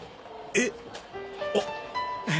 えっ？あっ。